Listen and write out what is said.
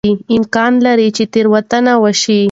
امکان لري چې تېروتنه وشي.